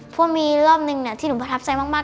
เพราะมีรอบหนึ่งที่หนูประทับใจมาก